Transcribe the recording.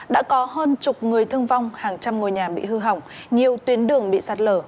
đã có hơn chục người thương vong hàng trăm ngôi nhà bị hư hỏng nhiều tuyến đường bị sạt lở